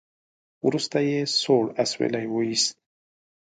وروسته يې سوړ اسويلی وېست.